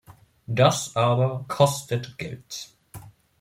Das aber kostet Geld.